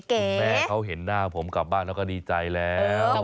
คุณแม่เขาเห็นหน้าผมกลับบ้านแล้วก็ดีใจแล้ว